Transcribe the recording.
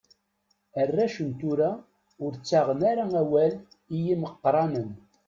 Arrac n tura ur ttaɣen ara awal i yimeqqranen.